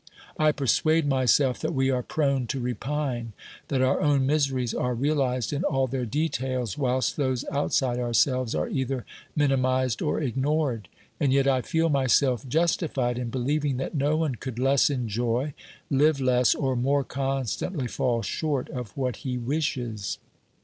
I persuade myself that we are prone to repine, that our own miseries are realised in all their details, whilst those outside ourselves are either minimised or ignored ; and yet I feel myself justified in believing that no one could less enjoy, live less, or more constantly fall short of what he wishes.